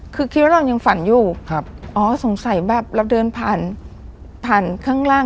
คือคิดว่าเรายังฝันอยู่ครับอ๋อสงสัยแบบเราเดินผ่านผ่านข้างล่าง